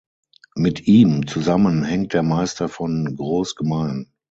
Mit ihm zusammen hängt der Meister von Großgmain.